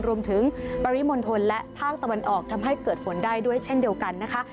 ปริมณฑลและภาคตะวันออกทำให้เกิดฝนได้ด้วยเช่นเดียวกันนะคะ